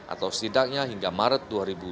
atau setidaknya hingga maret dua ribu dua puluh